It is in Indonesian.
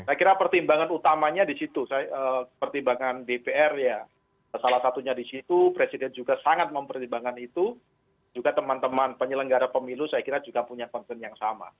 saya kira pertimbangan utamanya di situ pertimbangan dpr ya salah satunya di situ presiden juga sangat mempertimbangkan itu juga teman teman penyelenggara pemilu saya kira juga punya concern yang sama